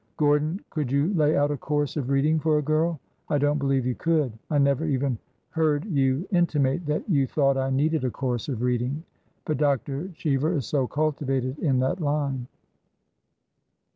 Gordon, could you lay out a course of reading for a girl ? I don't believe you could. I never even heard you intimate that you thought I needed a course of reading. But Dr. Cheever is so cultivated in that line.